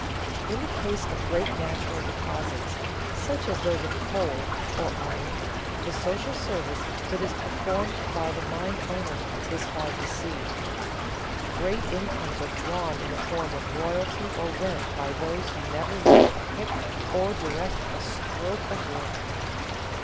_ In the case of great natural deposits, such as those of coal or iron, the social service that is performed by the mine owner is hard to see. Great incomes are drawn in the form of royalty or rent by those who never lift a pick or direct a stroke of work.